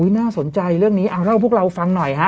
น่าสนใจเรื่องนี้เอาเล่าพวกเราฟังหน่อยฮะ